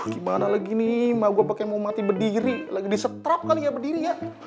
gimana lagi nih mau gue pakai mau mati berdiri lagi disetrap kali ya berdiri ya